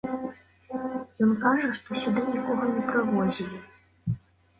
Ён кажа, што сюды нікога не прывозілі.